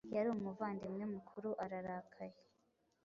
Yari umuvandimwe mukuru ararakaye